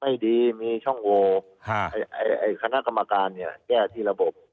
ไม่ดีมีช่องโหวคณะกรรมการเนี่ยแก้ที่ระบบ